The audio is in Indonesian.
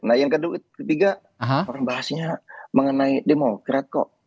nah yang ketiga orang bahasnya mengenai demokrat kok